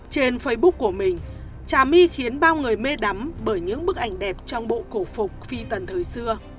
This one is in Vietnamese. trên facebook của mình trà my khiến bao người mê đắm bởi những bức ảnh đẹp trong bộ cổ phục phi tần thời xưa